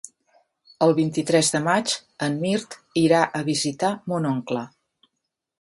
El vint-i-tres de maig en Mirt irà a visitar mon oncle.